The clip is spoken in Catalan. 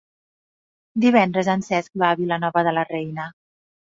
Divendres en Cesc va a Vilanova de la Reina.